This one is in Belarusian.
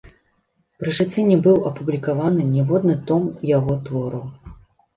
Пры жыцці не быў апублікаваны ніводны том яго твораў.